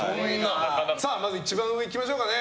まず一番上にいきましょうかね。